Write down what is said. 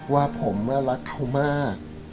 ว่าผมรักเขามาก